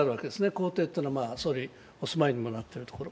公邸というのは総理がお住まいになっているところ。